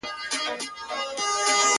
څاڅکی یم په موج کي فنا کېږم ته به نه ژاړې!